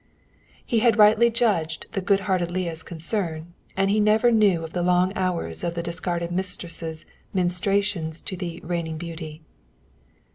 He had rightly judged the good hearted Leah's concern, and he never knew of the long hours of the discarded mistress' ministrations to the "reigning beauty."